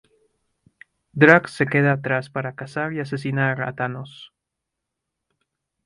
Drax se queda atrás para cazar y asesinar a Thanos.